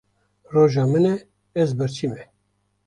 Roja min e ez birçî me.